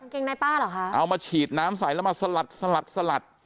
กิ้มในปลาแหละค่ะเอามาฉีดน้ำใส่แล้วมาสลัดสลัดสับ